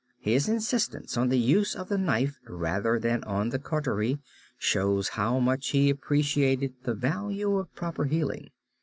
His insistence on the use of the knife rather than on the cautery shows how much he appreciated the value of proper healing.